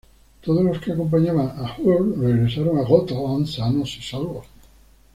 Todos los que acompañaban a Hrólfr regresaron a Götaland sanos y salvos.